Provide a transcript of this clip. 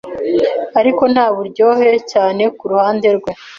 ariko nta buryohe cyane ku ruhande rwe